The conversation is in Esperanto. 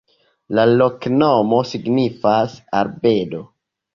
La loknomo signifas: arbedo.